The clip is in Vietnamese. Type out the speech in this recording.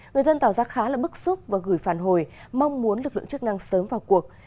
người dân tỏ ra khá là bức xúc và gửi phản hồi mong muốn lực lượng chức năng sớm vào cuộc